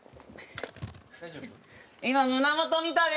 今胸元見たでしょ！